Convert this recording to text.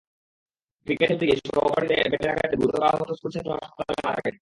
Cricket খেলতে গিয়ে সহপাঠীর ব্যাটের আঘাতে গুরুতর আহত স্কুলছাত্র হাসপাতালে মারা গেছে।